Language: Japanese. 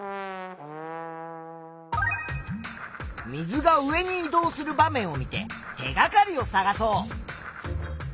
水が上に移動する場面を見て手がかりを探そう。